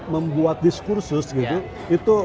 membuat diskursus gitu